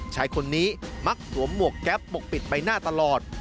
ชายคนนี้มักสวมหมวกแก๊ปปกปิดใบหน้าตลอด